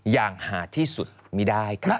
อย่างหาที่สุดไม่ได้ค่ะ